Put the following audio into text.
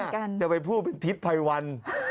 เมื่อกี้จะไปพูดเป็นทิศไพรวัล